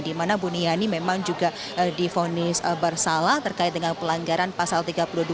di mana buniyani memang juga difonis bersalah terkait dengan pelanggaran pasal tiga puluh dua ayat sandu undang undang ite